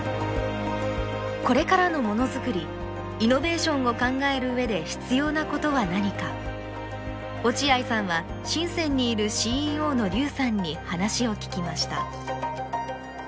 これからのものづくりイノベーションを考える上で必要なことは何か落合さんは深にいるＣＥＯの劉さんに話を聞きました。